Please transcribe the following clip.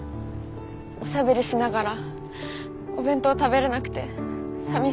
おしゃべりしながらお弁当食べれなくてさみしかった。